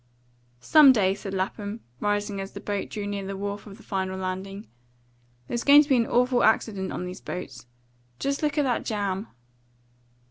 "Some day," said Lapham, rising as the boat drew near the wharf of the final landing, "there's going to be an awful accident on these boats. Just look at that jam."